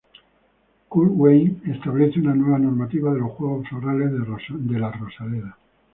Kurt Wein establece una nueva normativa de los juegos florales de la rosaleda.